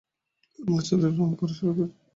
আমি বাচ্চাদের রং করা শুরু করছি।